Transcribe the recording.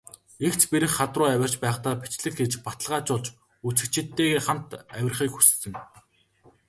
Эгц бэрх хад руу авирч байхдаа бичлэг хийж, баталгаажуулж, үзэгчидтэйгээ хамт авирахыг хүссэн.